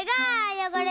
よごれ？